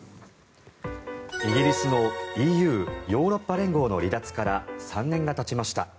イギリスのＥＵ・ヨーロッパ連合の離脱から３年がたちました。